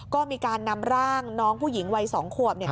ก็มีการนำร่างน้องผู้หญิงวัย๒ขวบ